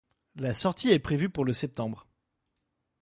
La sortie est prévue pour le septembre.